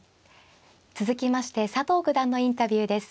続きまして佐藤九段のインタビューです。